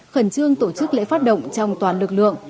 khẩn trương tổ chức lễ phát động trong toàn lực lượng